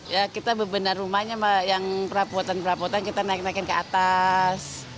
ya kita bebenar rumahnya yang perabotan perabotan kita naik naikin ke atas